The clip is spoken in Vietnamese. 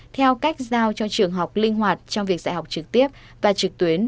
theo cách giao cho trường học linh hoạt trong việc dạy học trực tiếp và trực tuyến